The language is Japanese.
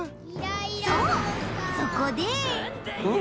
そうそこでん？